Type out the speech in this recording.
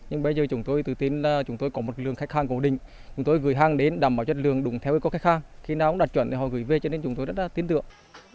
nhưng bây giờ chúng tôi tự tin là chúng tôi có một lượng khách hàng cố định chúng tôi gửi hàng đến đảm bảo chất lượng đúng theo khách hàng khi nào cũng đạt chuẩn thì họ gửi về cho nên chúng tôi rất là tin tưởng